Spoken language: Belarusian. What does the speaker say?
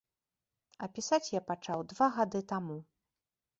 А пісаць я пачаў два гады таму.